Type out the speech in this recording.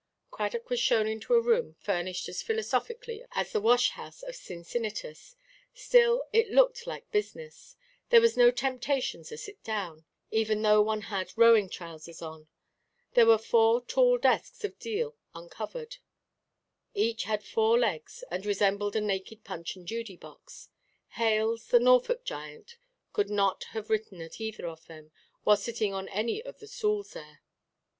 Cradock was shown into a room furnished as philosophically as the wash–house of Cincinnatus; still, it looked like business. There was no temptation to sit down, even though one had rowing–trousers on. There were four tall desks of deal uncovered; each had four legs, and resembled a naked Punch–and–Judy box. Hales, the Norfolk giant, could not have written at either of them, while sitting on any of the stools there.